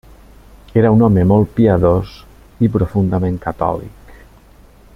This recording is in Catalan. Era un home molt piadós i profundament catòlic.